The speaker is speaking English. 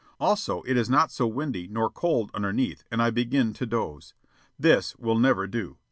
Also, it is not so windy nor cold underneath, and I begin to doze. This will never do.